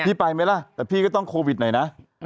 ไปไหมล่ะแต่พี่ก็ต้องโควิดหน่อยนะ